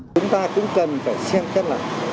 chúng ta cũng cần phải xem chắc là